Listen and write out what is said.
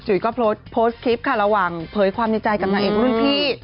ก็โพสต์คลิปค่ะระหว่างเผยความในใจกับนางเอกรุ่นพี่